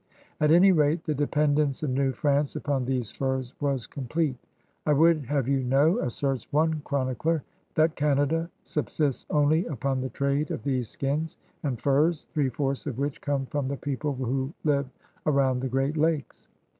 At any rate the dependence of New France upon these furs was complete. '*I would have you know,'* asserts one chronicler, ''that Canada subsists only upon the trade of these skins and furs, three fourths of which come from the people who live around, the Great Lakes."